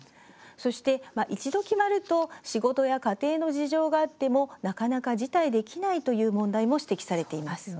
そして、一度決まると仕事や家庭の事情があってもなかなか辞退できないという問題も指摘されています。